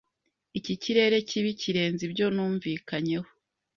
Iki kirere kibi kirenze ibyo numvikanyeho.